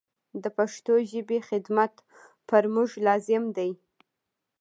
د پښتو ژبي خدمت پر موږ لازم دی.